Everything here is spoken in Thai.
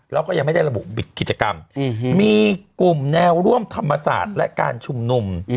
แล้วก็ยังไม่ได้ระบุบิดกิจกรรมมีกลุ่มแนวร่วมธรรมศาสตร์และการชุมนุม